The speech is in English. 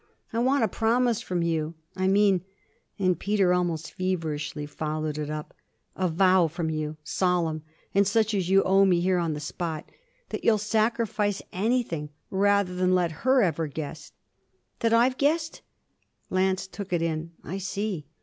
I want a promise from you. I mean' and Peter almost feverishly followed it up 'a vow from you, solemn and such as you owe me here on the spot, that you'll sacrifice anything rather than let her ever guess ' 'That I've guessed?' Lance took it in. 'I see.'